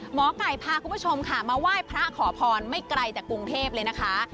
หมอไก่พาคุณผู้ชมค่ะมาไหว้พระขอพรไม่ไกลจากกรุงเทพเลยนะคะ